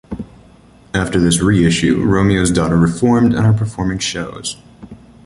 After this reissue Romeo's Daughter reformed and are performing shows.